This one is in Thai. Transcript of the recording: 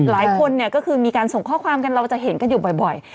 หลายคนเนี่ยก็คือมีการส่งข้อความกันเราจะเห็นกันอยู่บ่อย